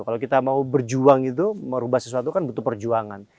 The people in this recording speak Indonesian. kalau kita mau berjuang itu merubah sesuatu kan butuh perjuangan